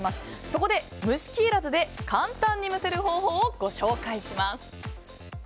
そこで、蒸し器いらずで簡単に蒸せる方法をご紹介します。